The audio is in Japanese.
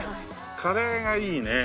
カレーがいいねえ。